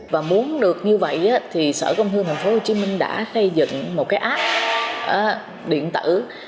và muốn được như vậy thì sở công thương tp hcm đã xây dựng một cái app điện tử